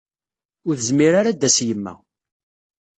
Ur tezmir ara ad d-tas yemma.